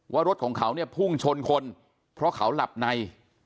รถของเขาเนี่ยพุ่งชนคนเพราะเขาหลับใน